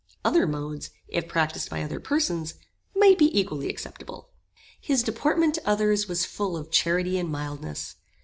Other modes, if practised by other persons, might be equally acceptable. His deportment to others was full of charity and mildness.